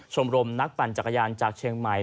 ชมรมนักปั่นจักรยานจากเชียงใหม่